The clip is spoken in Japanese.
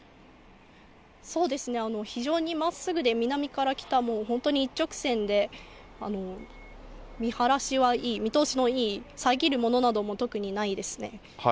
非常にまっすぐで、南から北、本当に一直線で、見晴らしはいい、見通しのいい、遮るものなども特にないですね。